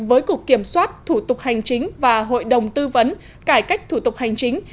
với cục kiểm soát thủ tục hành chính và hội đồng tư vấn cải cách thủ tục hành chính